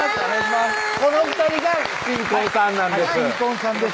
この２人が新婚さんなんです新婚さんです